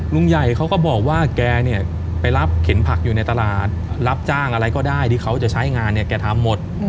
ลุงใหญ่เขาก็บอกว่าแกเนี่ยไปรับเข็นผักอยู่ในตลาดรับจ้างอะไรก็ได้ที่เขาจะใช้งานเนี่ยแกทำหมด